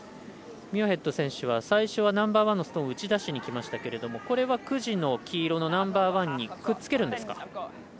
ミュアヘッド選手は最初はナンバーワンのストーン打ち出しにきましたがこれは９時の黄色のナンバーワンにくっつけるんですか。